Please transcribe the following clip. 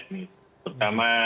dan mempunyai follower yang banyak